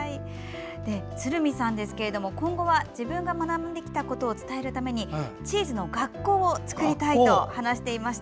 鶴見さん、今後は自分が学んできたことを伝えるためにチーズの学校を作りたいと話していました。